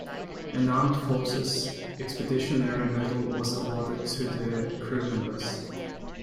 An Armed Forces Expeditionary Medal was awarded to the crew members.